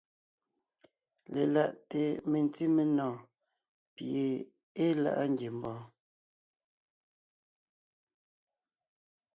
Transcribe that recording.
Lelaʼte mentí menɔ̀ɔn pie ée láʼa ngiembɔɔn.